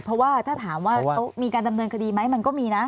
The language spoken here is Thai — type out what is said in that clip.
เพราะว่าถ้าถามว่าเขามีการดำเนินคดีไหมมันก็มีนะ